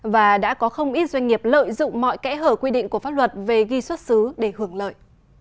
và đã có không ít doanh nghiệp lợi dụng mọi kẽ hở quy định của pháp luật về ghi xuất xứ để hưởng lợi